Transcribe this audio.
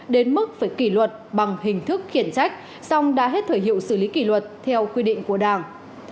đến mức phải kỷ luật bằng hình thức khiển trách xong đã hết thời hiệu xử lý kỷ luật theo quy định của đảng